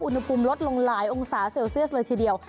อุณหภูมิลดลงหลายองศาเซลเซียสเลยทีเดียว